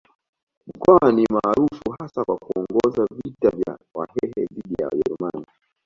Mkwawa ni maarufu hasa kwa kuongoza vita vya Wahehe dhidi ya Wajerumani